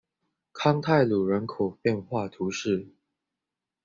康泰卢人口变化图示